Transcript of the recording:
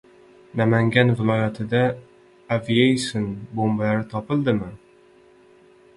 Namangan viloyatida «aviasion» bombalar topildimi?